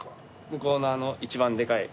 向こうの一番でかい。